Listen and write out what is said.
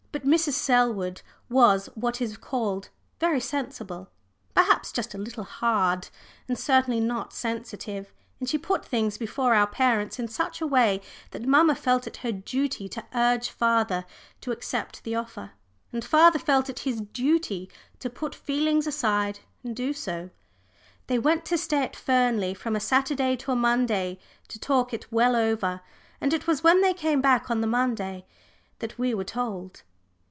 But Mrs. Selwood was what is called "very sensible," perhaps just a little hard, and certainly not sensitive. And she put things before our parents in such a way that mamma felt it her duty to urge father to accept the offer, and father felt it his duty to put feelings aside and do so. They went to stay at Fernley from a Saturday to a Monday to talk it well over, and it was when they came back on the Monday that we were told.